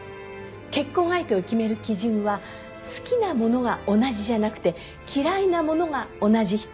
結婚相手を決める基準は好きなものが同じじゃなくて嫌いなものが同じ人。